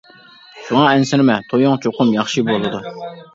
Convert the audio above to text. شۇڭا ئەنسىرىمە تويۇڭ چوقۇم ياخشى بولىدۇ.